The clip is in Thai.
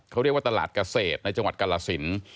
เขาเรียกว่าตลาดเกษตรในจังหวัดกาลสิน